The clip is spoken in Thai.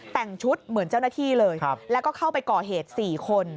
แต่งชุดเหมือนเจ้าหน้าที่เลยแล้วก็เข้าไปก่อเหตุ๔คน